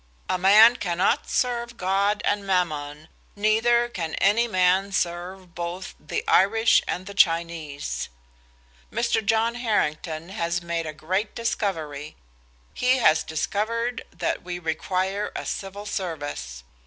A man cannot serve God and Mammon, neither can any man serve both the Irish and Chinese. "Mr. John Harrington has made a great discovery. He has discovered that we require a Civil Service.